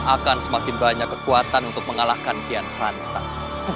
akan semakin banyak kekuatan untuk mengalahkan sekian santang